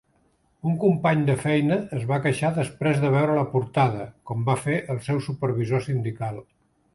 Un company de feina es va queixar després de veure la portada, com va fer el seu supervisor sindical.